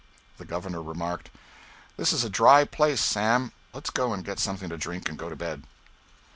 The Governor remarked, "This is a dry place, Sam, let's go and get something to drink and go to bed."